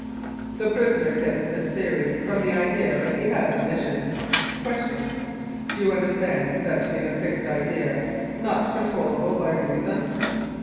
The prisoner gets his theory from the idea that he has a mission. Q. Do you understand that to be the fixed idea not controllable by reason?